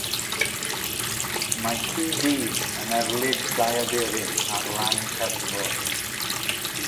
Mae ci du yn erlid dau aderyn ar lan y cefnfor